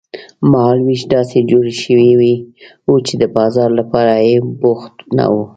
مهال وېش داسې جوړ شوی و چې د بازار لپاره یې وخت نه و.